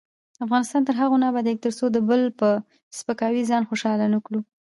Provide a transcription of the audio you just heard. افغانستان تر هغو نه ابادیږي، ترڅو د بل په سپکاوي ځان خوشحاله نکړو.